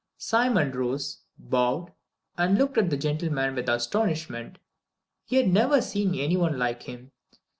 Simon rose, bowed, and looked at the gentleman with astonishment. He had never seen any one like him.